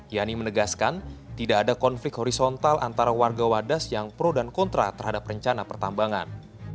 yani menegaskan tidak ada konflik horizontal antara warga wadas yang pro dan kontra terhadap rencana pertambangan